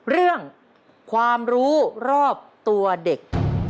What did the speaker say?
เรื่องความรู้รอบตัวเด็ก